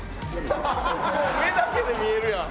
目だけで見えるやん！